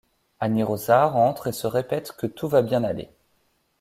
Annie Rosar entre et se répète que tout va bien aller.